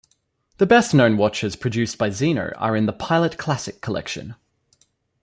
The best known watches produced by Zeno are in the "Pilot Classic" collection.